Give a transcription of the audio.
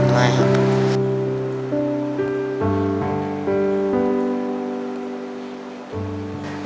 ไม่ครับ